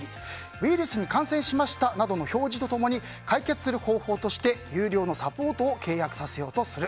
ウイルスに感染しましたなどの表示と共に解決する方法として有料のサポートを契約させようとする。